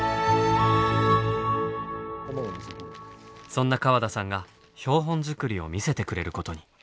そんな川田さんが標本作りを見せてくれることに。